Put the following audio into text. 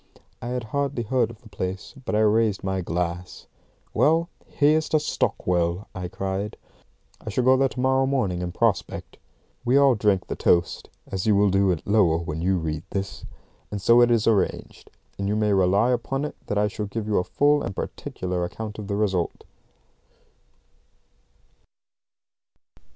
I had hardly heard of the place, but I raised my glass. "Well, here's to Stockwell!" I cried; "I shall go there to morrow morning and prospect." We all drank the toast (as you will do at Lowell when you read this); and so it is arranged, and you may rely upon it that I shall give you a full and particular account of the result.